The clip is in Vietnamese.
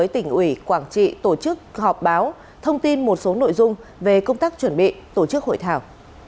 tỉnh ủy quảng trị tổ chức họp báo thông tin một số nội dung về công tác chuẩn bị tổ chức hội thảo